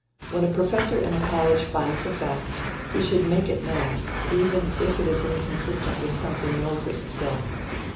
When a professor in a college finds a fact, he should make it known, even if it is inconsistent with something Moses said.